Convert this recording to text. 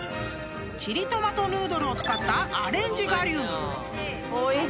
［チリトマトヌードルを使ったアレンジ我流］